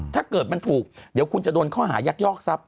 ถ้าเกิดมันถูกเดี๋ยวคุณจะโดนข้อหายักยอกทรัพย